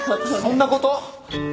そんなこと？